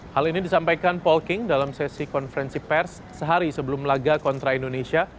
hal ini disampaikan polking dalam sesi konferensi pers sehari sebelum laga kontra indonesia